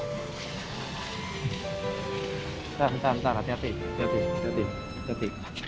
bentar bentar bentar hati hati hati hati